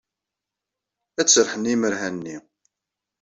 Ad d-serrḥen i imerhan-nni.